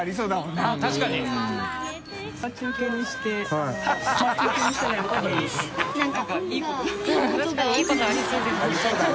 確かにいいことありそうでも